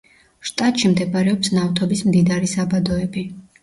შტატში მდებარეობს ნავთობის მდიდარი საბადოები.